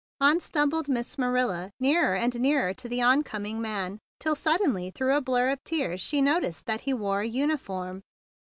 On stumbled Miss Marilla, nearer and nearer to the oncoming man, till suddenly through a blur of tears she noticed that he wore a uniform.